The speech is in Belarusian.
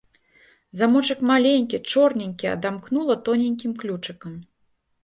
Замочак маленькі чорненькі адамкнула тоненькім ключыкам.